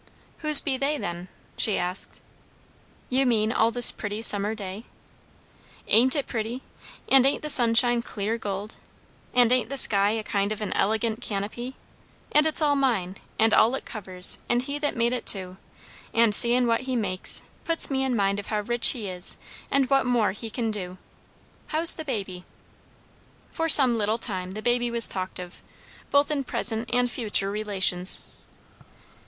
"Whose be they, then?" she asked. "You mean, all this pretty summer day?" "Ain't it pretty? And ain't the sunshine clear gold? And ain't the sky a kind of an elegant canopy? And it's all mine, and all it covers, and he that made it too; and seein' what he makes, puts me in mind of how rich he is and what more he kin do. How's the baby?" For some little time the baby was talked of, in both present and future relations.